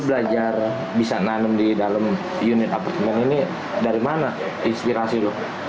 belajar bisa nanam di dalam unit apartemen ini dari mana inspirasi loh